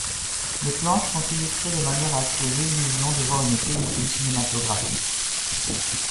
Les planches sont illustrées de manière à créer l'illusion de voir une pellicule cinématographique.